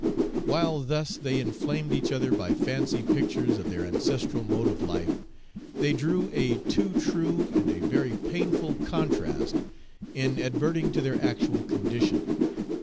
While thus they inflamed each other by fancy pictures of their ancestral mode of life, they drew a too true and a very painful contrast in adverting to their actual condition.